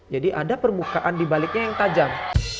jadi ada permukaan dibaliknya yang tajam